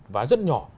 và rất nhỏ